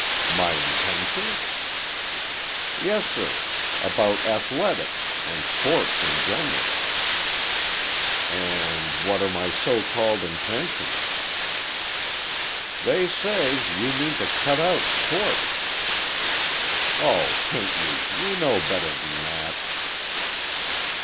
"My intentions?" "Yes, sir; about athletics, and sports in general." "And what are my so called intentions?" "They say, you mean to cut out sport—" "Oh, Pinckney, you know better than that!"